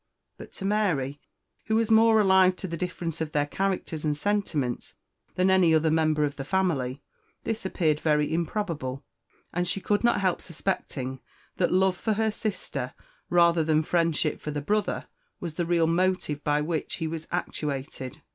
But to Mary, who was more alive to the difference of their characters and sentiments than any other member of the family, this appeared very improbable, and she could not help suspecting that love for the sister, rather than friendship for the brother, was the real motive by which he was actuated.